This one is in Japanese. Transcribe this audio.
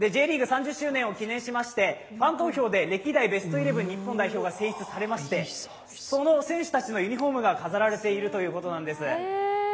３０周年を記念しまして、ファン投票で歴代選手が選出されまして、その選手たちのユニフォームが飾られているということなんです。